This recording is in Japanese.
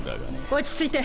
落ち着いて。